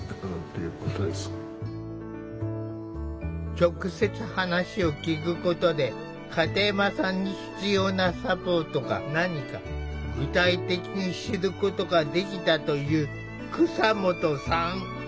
直接話を聞くことで片山さんに必要なサポートが何か具体的に知ることができたという蒼下さん。